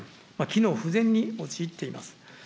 機能不全に陥っています。